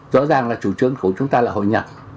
rõ ràng là chủ trương của chúng ta là hội nhập